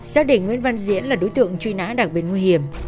xác định nguyễn văn diễn là đối tượng truy nã đặc biệt nguy hiểm